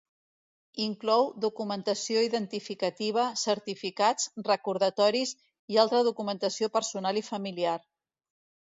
Inclou documentació identificativa, certificats, recordatoris i altra documentació personal i familiar.